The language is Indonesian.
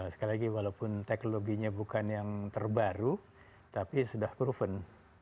sekali lagi walaupun teknologinya bukan yang terbaru tapi sudah proven